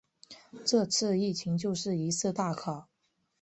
这次疫情就是一次大考